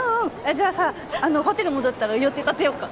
じゃあさあのホテル戻ったら予定立てよっか。